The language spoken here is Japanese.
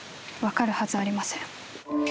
分かるはずありません。